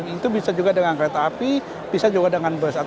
itu bisa juga dengan kereta api bisa juga dengan bus